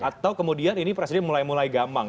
atau kemudian ini presiden mulai mulai gamang